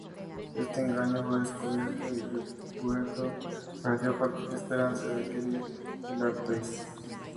Este engaño fue descubierto y Roberto perdió cualquier esperanza de adquirir el Artois.